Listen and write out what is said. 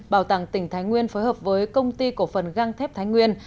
bảo tàng tỉnh thái nguyên phối hợp với công ty cổ phần găng thép thái nguyên